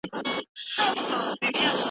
د باطل په وړاندې درېدل زموږ دنده ده.